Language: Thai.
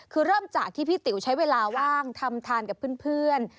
คือเริ่มจากที่พี่ติ๋วใช้เวลาว่างทำทานกับเพื่อน